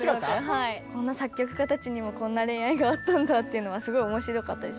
こんな作曲家たちにもこんな恋愛があったんだっていうのはすごい面白かったです。